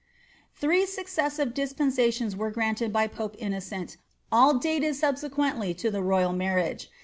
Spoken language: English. Three successive dispensations were granted by pope Innocent, a dated subsequently to the royal marriage.